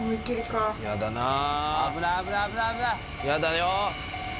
やだよ。